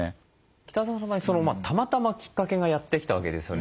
北澤さんの場合たまたまきっかけがやって来たわけですよね。